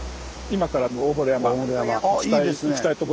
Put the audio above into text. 今から。